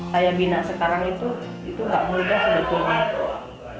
saya bina sekarang itu itu gak mudah sebetulnya